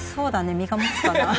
身がもつかな？